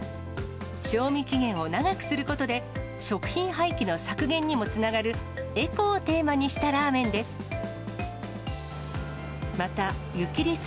賞味期限を長くすることで、食品廃棄の削減にもつながる、エコをテーマにしたラーメンです。